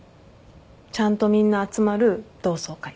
ちゃんとみんな集まる同窓会。